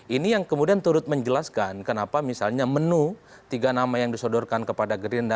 ini yang kemudian turut menjelaskan kenapa misalnya menu tiga nama yang disodorkan kepada gerindra